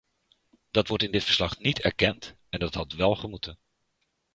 Dat wordt in dit verslag niet erkend, en dat had wel gemoeten.